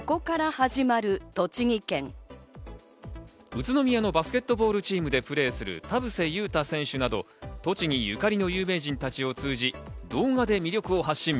宇都宮のバスケットボールチームでプレーする田臥勇太選手など栃木ゆかりの有名人たちを通じ、動画で魅力を発信。